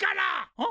あっ？